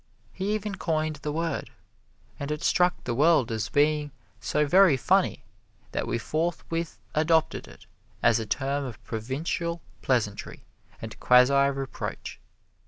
He even coined the word, and it struck the world as being so very funny that we forthwith adopted it as a term of provincial pleasantry and quasi reproach.